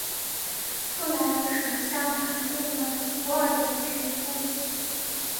布莱尔首相肯定了古尔德的评估。